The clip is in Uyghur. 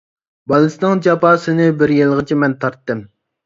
بالىسىنىڭ جاپاسىنى بىر يىلغىچە مەن تارتتىم.